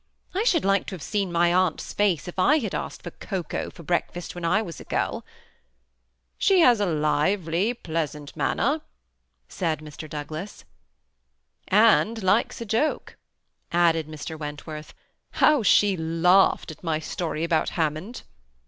I should like to have seen my aunt's face if I had asked ibr cocoa for breakfast when I was a girl." '^ She has pleasant, lively manners," said Mr. Doug las. '* And likes a joke," added Mr. Wentworth. " How she laughed at my story about Hammond